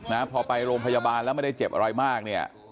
นะพอไปโรงพยาบาลแล้วไม่ได้เจ็บอะไรมากเนี่ย